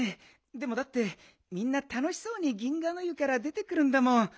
でもだってみんなたのしそうに銀河の湯から出てくるんだもん。